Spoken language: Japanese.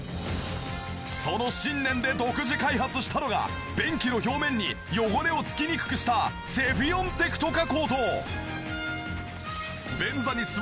その信念で独自開発したのが便器の表面に汚れを付きにくくしたセフィオンテクト加工と。